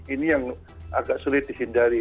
ini yang agak sulit dihindari